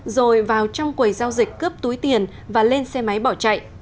rồi vào trong quầy giao dịch cướp túi tiền và lên xe máy bỏ chạy